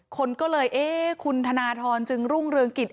คนก็เลยเอ๊ะคุณธนทรจึงรุ่งเรืองกิจ